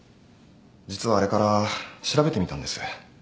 実はあれから調べてみたんです。